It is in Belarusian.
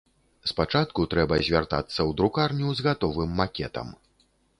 Спачатку трэба звяртацца ў друкарню з гатовым макетам.